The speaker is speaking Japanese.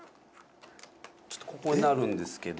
ちょっとここになるんですけど。